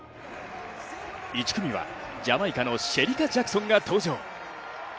１組は、ジャマイカのシェリカ・ジャクソンが登場。